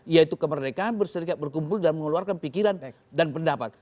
yaitu kemerdekaan berserikat berkumpul dan mengeluarkan pikiran dan pendapat